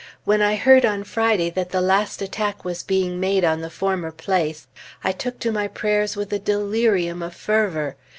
When I heard on Friday that the last attack was being made on the former place, I took to my prayers with a delirium of fervor.